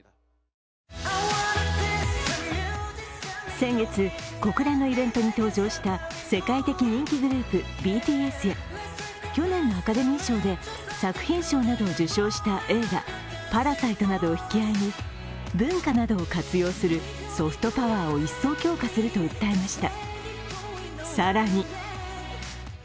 先月、国連のイベントに登場した世界的人気グループＢＴＳや去年のアカデミー賞で作品賞などを受賞した映画「パラサイト」などを引き合いに文化などを活用するソフトパワーを一層強化すると訴えました。